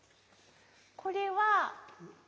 これは２。